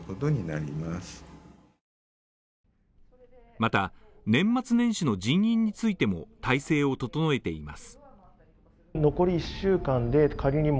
また、年末年始の人員についても体制を整えています。